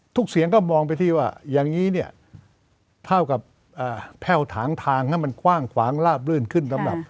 ทุกเสียงก็มองไปที่ว่าอย่างนี้เนี่ยเท่ากับแพร่ทางมันคว้างลาบรื่นขึ้นกัน